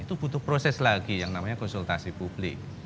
itu butuh proses lagi yang namanya konsultasi publik